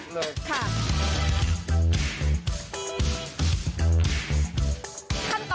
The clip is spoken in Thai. ขั้นตอนที่๔คือตัวยึดทั้งหมดเลย